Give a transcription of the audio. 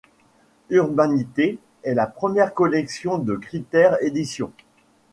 Urbanité est la première collection de Critères éditions.